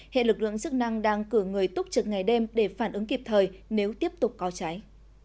hệ lực lượng chức năng đang cử người túc trực ngày đêm để phản ứng kịp thời nếu tiếp tục có cháy